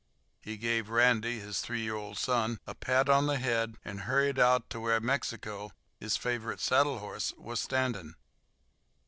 He gave Randy, his three year old son, a pat on the head, and hurried out to where Mexico, his favorite saddle horse, was standing.